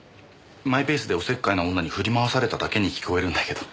マイペースでおせっかいな女に振り回されただけに聞こえるんだけど。